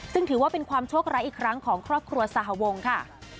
ซึ่งถือว่าเป็นความโชคร้ายอีกครั้งของครอบครัวสหวงค่ะ